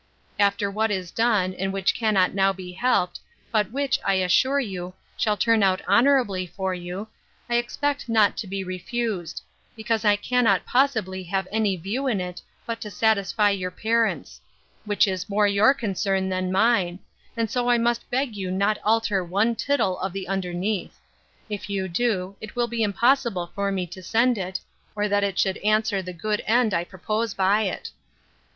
'After what is done, and which cannot now be helped, but which, I assure you, shall turn out honourably for you, I expect not to be refused; because I cannot possibly have any view in it, but to satisfy your parents; which is more your concern than mine; and so I must beg you will not alter one tittle of the underneath. If you do, it will be impossible for me to send it, or that it should answer the good end I propose by it.